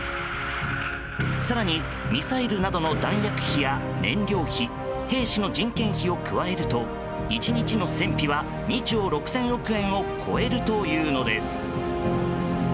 更に、ミサイルなどの弾薬費や燃料費兵士の人件費を加えると１日の戦費は２兆６０００億円を超えるというのです。